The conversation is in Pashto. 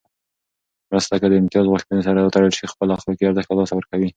مرسته که د امتياز غوښتنې سره وتړل شي، خپل اخلاقي ارزښت له لاسه ورکوي.